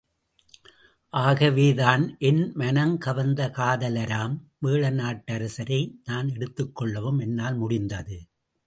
அகவேதான், என் மனம் கவர்ந்த காதலராம் வேழ நாட்டரசரை நான் எடுத்துக் கொள்ளவும் என்னால் முடிந்தது!...